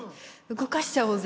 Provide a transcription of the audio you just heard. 動かしちゃおうぜ。